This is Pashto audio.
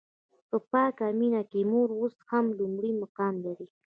په پاکه مینه کې مور اوس هم لومړی مقام لري.